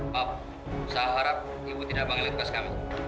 pak saya harap ibu tidak panggil tugas kami